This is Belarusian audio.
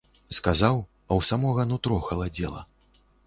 Сказаў, а ў самога нутро халадзела.